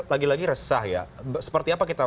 lagi lagi resah ya seperti apa kita